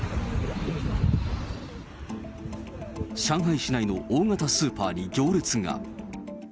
上海市内の大型スーパーに行列が。